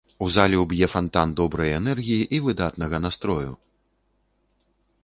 У залю б'е фантан добрай энергіі і выдатнага настрою.